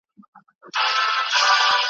هم یې خوښ په کار نامو یم